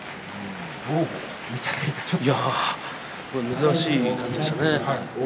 珍しい感じでしたね。